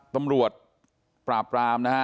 ตำรวจปราบราม